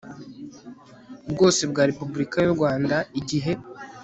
bwose bwa repubulika y u rwanda igihe